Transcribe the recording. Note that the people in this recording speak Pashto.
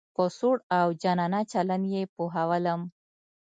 په سوړ او جانانه چلن یې پوهولم.